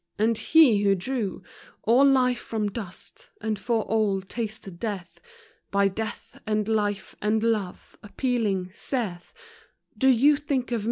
and He who drew All life from dust, and for all, tasted death, By death and life and love, appealing, saith, Do you think of.